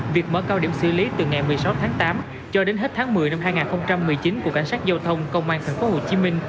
việc mở cao điểm xử lý từ ngày một mươi sáu tháng tám cho đến hết tháng một mươi năm hai nghìn một mươi chín của cảnh sát giao thông công an tp hcm